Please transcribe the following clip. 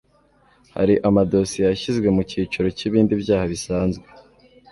hari amadosiye yashyizwe mu cyiciro cy'ibindi byaha bisanzwe